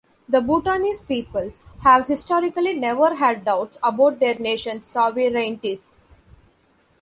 The Bhutanese people have historically never had doubts about their nation's sovereignty.